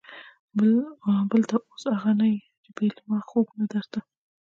بل ته اوس اغه نه يې چې بې ما خوب نه درته.